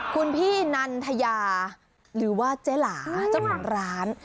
คุณพี่นันทยาหรือว่าเจ๊หลาเจ้าของร้าน